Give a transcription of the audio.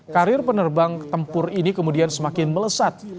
karir penerbang tempur ini kemudian semakin melesat